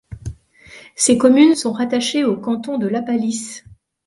Ses communes sont rattachées au canton de Lapalisse.